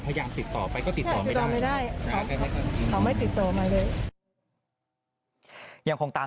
ปี๖๕วันเกิดปี๖๔ไปร่วมงานเช่นเดียวกัน